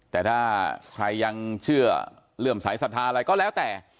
แต่ถ้าใครยังเชื่อเลื่อมสายศรัทธาอะไรก็แล้วแต่